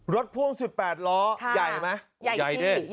รถพ่วงสิบแปดล้อค่ะใหญ่ไหมใหญ่สิยาวด้วย